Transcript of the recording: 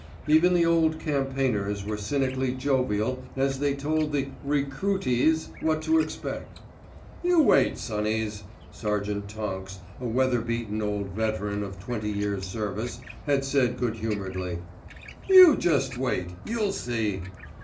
Even the old campaigners were cynically jovial as they told the "recruities" what to expect. "You wait, sonnies," Sergeant Tonks, a weather beaten old veteran of twenty years' service, had said good humouredly, "You just wait, you'll see!"